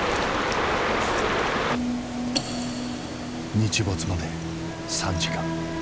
日没まで３時間。